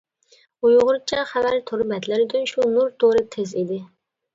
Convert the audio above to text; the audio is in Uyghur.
ئۇيغۇرچە خەۋەر تور بەتلىرىدىن شۇ نۇر تورى تېز ئىدى.